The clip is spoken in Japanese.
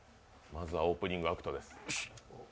まずはオープニングアクトです。